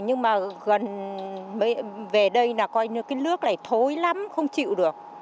nhưng mà gần về đây là coi như cái nước này thối lắm không chịu được